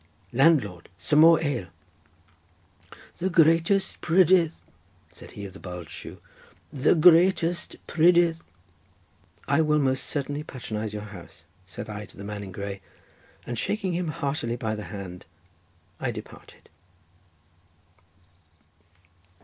Landlord, some more ale." "The greatest prydydd," said he of the bulged shoe, "the greatest prydydd—" "I will most certainly patronize your house," said I to the man in grey, and shaking him heartily by the hand I departed.